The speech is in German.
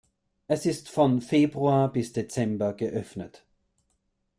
Es ist von Februar bis Dezember geöffnet.